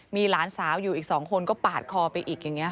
มีหลานสาวอยู่อีก๒คนก็ปาดคอไปอีกอย่างนี้